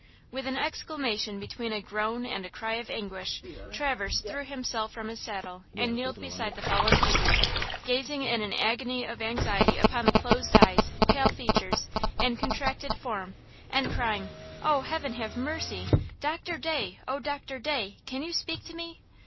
With an exclamation between a groan and a cry of anguish, Traverse threw himself from his saddle and kneeled beside the fallen figure, gazing in an agony of anxiety upon the closed eyes, pale features and contracted form and crying: "Oh, heaven have mercy! Doctor Day, oh, Doctor Day! Can you speak to me?"